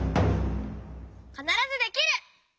「かならずできる！」。